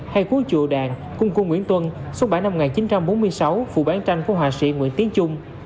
hay cuốn chùa đàn cung cung nguyễn tuân xuất bản năm một nghìn chín trăm bốn mươi sáu phụ bán tranh của hòa sĩ nguyễn tiến trung